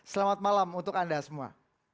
selamat malam untuk anda semua